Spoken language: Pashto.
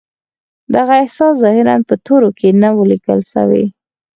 دغه احساس ظاهراً په تورو کې نه و ليکل شوی.